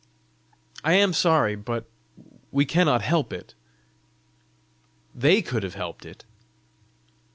I am sorry, but we cannot help it. THEY could have helped it."